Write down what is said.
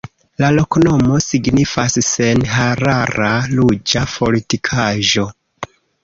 La loknomo signifas: senharara-ruĝa-fortikaĵo.